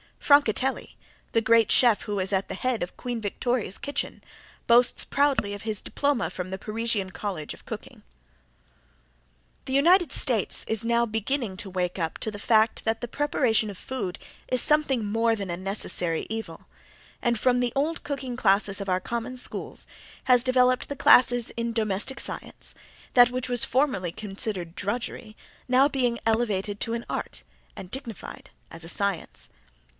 Francatelli, the great chef who was at the head of Queen Victoria's kitchen, boasts proudly of his diploma from the Parisian College of Cooking. The United States is now beginning to wake up to the fact that the preparation of food is something more than a necessary evil, and from the old cooking classes of our common schools has developed the classes in Domestic Science, that which was formerly considered drudgery now being elevated to an art and dignified as a science.